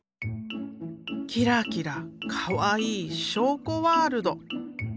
キラキラかわいい章子ワールド。